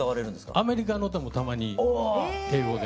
アメリカの歌もたまに英語で。